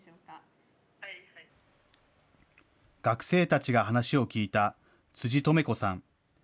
学生たちが話を聞いた辻トメ子さん。